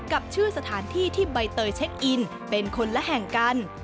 กับชื่อสถานที่ที่ใบเตยเช็คอินเป็นคนละแห่งกัน